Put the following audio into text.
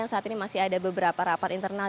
saat ini masih ada beberapa rapat internal